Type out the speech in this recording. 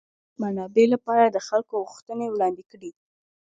ازادي راډیو د د اوبو منابع لپاره د خلکو غوښتنې وړاندې کړي.